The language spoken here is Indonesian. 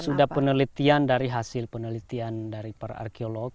itu sudah penelitian dari hasil penelitian dari per arkeolog